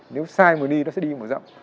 nếu sai một đi nó sẽ đi một rộng